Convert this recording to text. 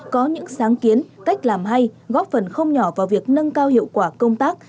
có những sáng kiến cách làm hay góp phần không nhỏ vào việc nâng cao hiệu quả công tác